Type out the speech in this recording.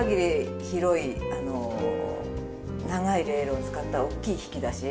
広いあの長いレールを使った大きい引き出し。